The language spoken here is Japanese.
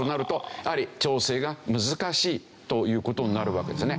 やはり調整が難しいという事になるわけですよね。